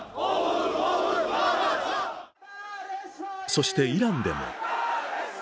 そして、イランでも。